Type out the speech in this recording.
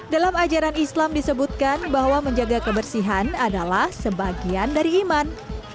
dalam ajaran islam disebutkan bahwa menjaga kebersihan adalah sebagian dari iman